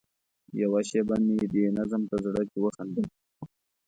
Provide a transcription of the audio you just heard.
یوه شېبه مې دې نظم ته زړه کې وخندل.